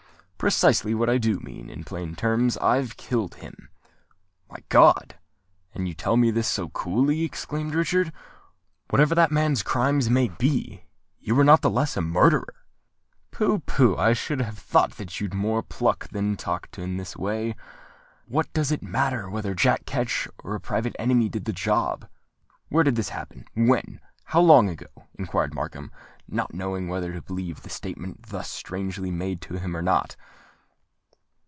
"Precisely what I do mean: in plain terms, I've killed him." "My God! and you tell me this so coolly!" exclaimed Richard. "Whatever that man's crimes may be, you are not the less a murderer!" "Pooh—pooh! I should have thought you'd more pluck than to talk in this way. What does it matter whether Jack Ketch or a private enemy did the job?" "Where did this happen? when?—how long ago?" inquired Markham, not knowing whether to believe the statement thus strangely made to him, or not.